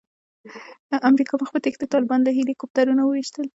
امریکا مخ په تېښته طالبان له هیلي کوپټرونو وویشتل.